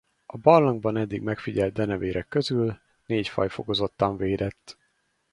A barlangban eddig megfigyelt denevérek közül négy faj fokozottan védett.